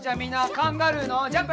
カンガルーのジャンプ。